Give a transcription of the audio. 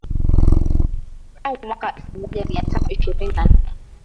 Au mwaka elfu moja mia tano ishirini na nne